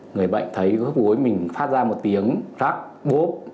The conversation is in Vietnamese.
người bệnh thấy gối mình phát ra một tiếng rắc bốp